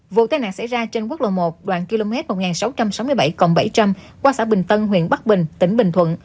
vụ tai nạn xảy ra trên quốc lộ một đoạn km một nghìn sáu trăm sáu mươi bảy bảy trăm linh qua xã bình tân huyện bắc bình tỉnh bình thuận